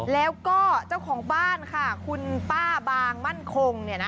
แล้วก็เจ้าของบ้านค่ะคุณป้าบางมั่นคง